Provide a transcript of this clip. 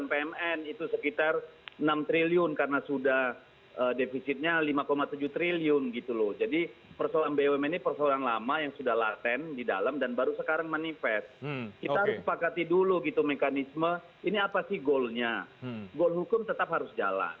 pasti menyatakan bagus